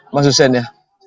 mas hussein ya